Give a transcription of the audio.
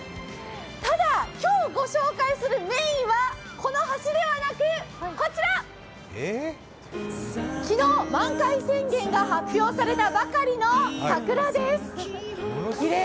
ただ今日ご紹介するメインは、この橋ではなくこちら。昨日、満開宣言が発表されたばかりの桜です。